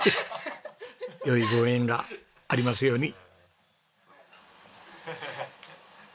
良いご縁がありますように。